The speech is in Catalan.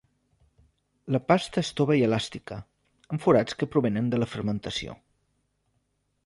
La pasta és tova i elàstica, amb forats que provenen de la fermentació.